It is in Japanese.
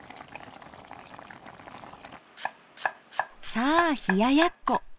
さあ冷ややっこ。